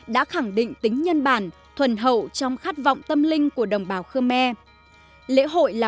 đã khẳng định tính nhân bản thuần hậu trong khát vọng tâm linh của đồng bào khơ me lễ hội là